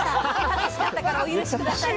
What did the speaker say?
楽しかったからお許し下さい。